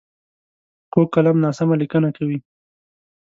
کوږ قلم ناسمه لیکنه کوي